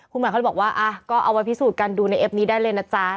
คุณหมายเขาเลยบอกว่าก็เอาไว้พิสูจน์กันดูในเอฟนี้ได้เลยนะจ๊ะ